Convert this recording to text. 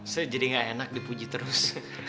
saya jadi gak enak dipuji terus